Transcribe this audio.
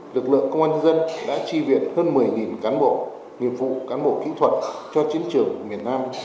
lực lượng công an nhân dân đã chi viện hơn một mươi cán bộ nghiệp vụ cán bộ kỹ thuật cho chiến trường miền nam